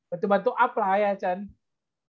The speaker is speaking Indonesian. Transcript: bantu bantu up lah ya chan